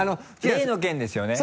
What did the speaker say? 例の件ですよね？